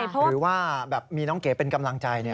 หรือว่ามีน้องเก๋เป็นกำลังใจเนี่ย